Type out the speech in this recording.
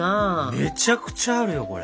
めちゃくちゃあるよこれ。